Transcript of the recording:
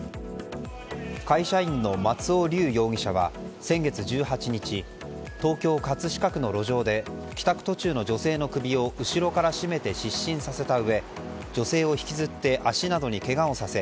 会社員の松尾龍容疑者は先月１８日東京・葛飾区の路上で帰宅途中の女性の首を後ろから絞めて、失神させたうえ女性を引きずって足などにけがをさせ